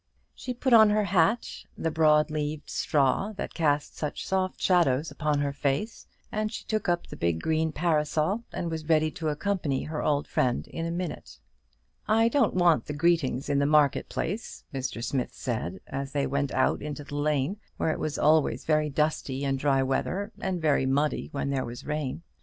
She put on her hat, the broad leaved straw that cast such soft shadows upon her face, and she took up the big green parasol, and was ready to accompany her old friend in a minute. "I don't want the greetings in the market place," Mr. Smith said, as they went out into the lane, where it was always very dusty in dry weather, and very muddy when there was rain.